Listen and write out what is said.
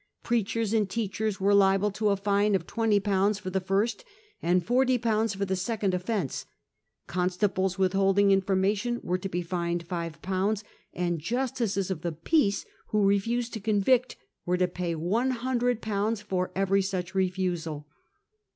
Preachers and teachers were liable to a fine of 20/. for the first and 40/. for the second offence. Constables withholding informa tion were to be fined 5/., and justices of the peace who refused to convict were to pay 100/. for every such refusal.